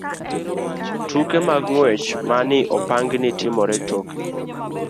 Tuke mag ng'wech ma ne opangi ni timore Tokyo.